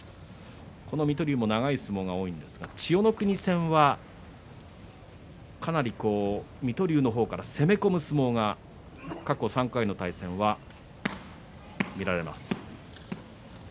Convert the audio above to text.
この水戸龍も長い相撲が多いですが、千代の国戦はかなり水戸龍の方が攻め込む相撲が過去３回の対戦は見られます。